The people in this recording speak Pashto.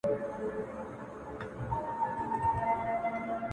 د خدای لپاره په ژړه نه کيږي ـ ـ